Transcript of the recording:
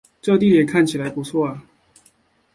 这地点看起来不错啊